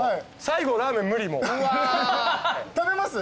食べます？